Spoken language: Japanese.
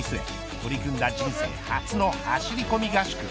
取り組んだ人生初の走り込み合宿。